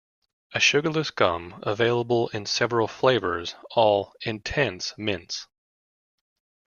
A sugarless gum available in several flavors, all "intense" mints.